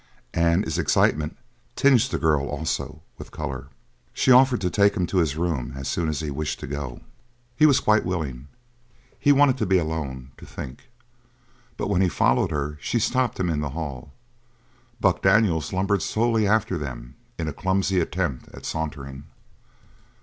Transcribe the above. And his excitement tinged the girl, also, with colour. She offered to take him to his room as soon as he wished to go. He was quite willing. He wanted to be alone, to think. But when he followed her she stopped him in the hall. Buck Daniels lumbered slowly after them in a clumsy attempt at sauntering.